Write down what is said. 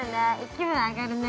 ◆気分上がるね。